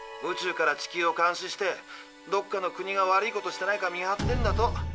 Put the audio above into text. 宇宙から地球を監視してどっかの国が悪いことしてないか見張ってんだと。